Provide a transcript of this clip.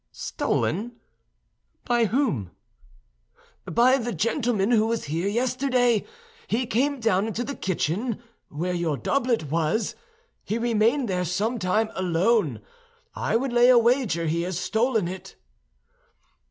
"Stolen? By whom?" "By the gentleman who was here yesterday. He came down into the kitchen, where your doublet was. He remained there some time alone. I would lay a wager he has stolen it."